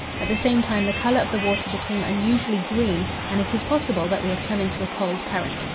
At the same time the colour of the water became unusually green, and it is possible that we had come into a cold current.